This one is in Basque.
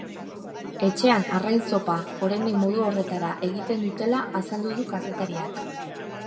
Etxean arrain-zopa oraindik modu horretara egiten dutela azaldu du kazetariak.